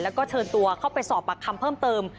แล้วก็เชิญตัวเข้าไปสอบปากคำเพิ่มเติม